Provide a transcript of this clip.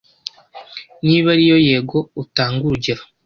Niba ari yego utange urugero